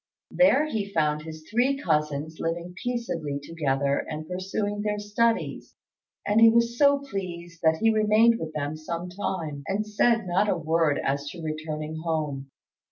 There he found his three cousins living peaceably together and pursuing their studies, and was so pleased that he remained with them some time, and said not a word as to returning home.